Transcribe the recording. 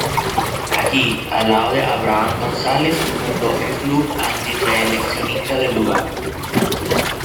Allí, al lado de Abraham González, fundó el Club Antirreeleccionista del lugar.